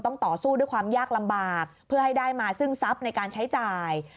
ต่อสู้ด้วยความยากลำบากเพื่อให้ได้มาซึ่งทรัพย์ในการใช้จ่าย